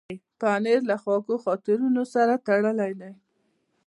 پنېر له خوږو خاطرونو سره تړلی دی.